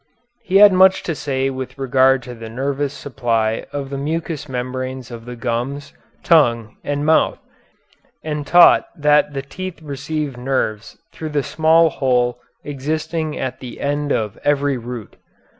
He had much to say with regard to the nervous supply of the mucous membranes of the gums, tongue, and mouth, and taught that the teeth received nerves through the small hole existing at the end of every root.